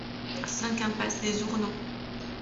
cinq impasse des Ourneaux